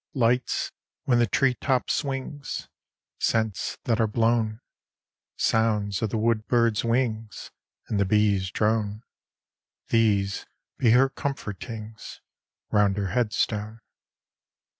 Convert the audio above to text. Lights, when the tree top swings; Scents that are blown; Sounds of the wood bird's wings; And the bee's drone; These be her comfortings Round her headstone.